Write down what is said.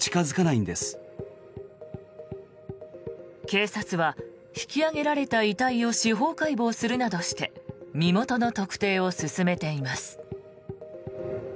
警察は引き揚げられた遺体を司法解剖するなどして身元の特定を進めています。